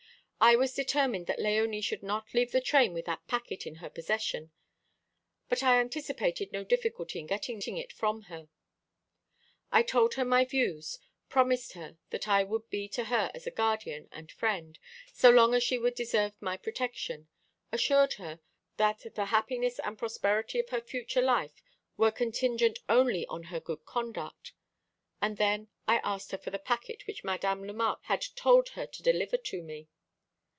I was determined that Léonie should not leave the train with that packet in her possession, but I anticipated no difficulty in getting it from her. "I told her my views, promised her that I would be to her as a guardian and friend, so long as she should deserve my protection, assured her that the happiness and prosperity of her future life were contingent only on her good conduct. And then I asked her for the packet which Madame Lemarque had told her to deliver to me.